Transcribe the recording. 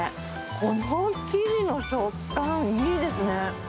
この生地の食感、いいですね。